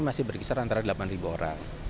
masih berkisar antara delapan orang